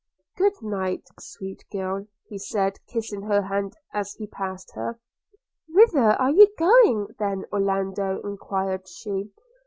'Good night, sweet girl!' said he, kissing her hand as he passed her. 'Whither are you going, then, Orlando?' enquired she.